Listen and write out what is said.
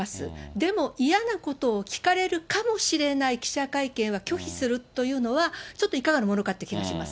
でも嫌なことを聞かれるかもしれない記者会見は拒否するというのは、ちょっと、いかがなものかっていう気がします。